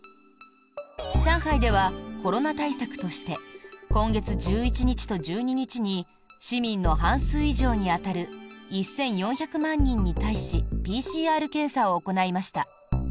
上海ではコロナ対策として今月１１日と１２日に市民の半数以上に当たる１４００万人に対しＰＣＲ検査を行いました。